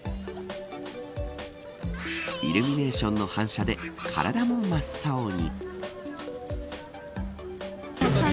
イルミネーションの反射で体も真っ青に。